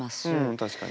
確かに。